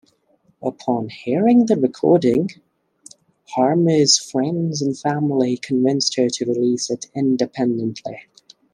Upon hearing the recording, Harmer's friends and family convinced her to release it independently.